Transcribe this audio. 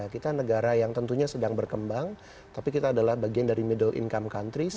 kita negara yang tentunya sedang berkembang tapi kita adalah bagian dari middle income countries